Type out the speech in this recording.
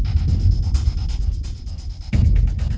ตอนที่สุดมันกลายเป็นสิ่งที่ไม่มีความคิดว่า